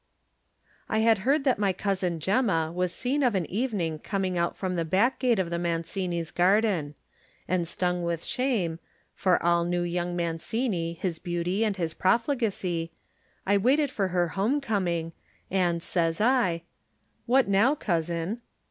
I had heard that my cousin Gemma was seen of an evening coming out from the back gate of the Mancinis' garden; and stung with shame — ^f or all knew young Man cini, his beauty and his profligacy — ^I waited for her homecoming, and says I: 40 Digitized by Google THE NINTH MAN "What now, cousin?"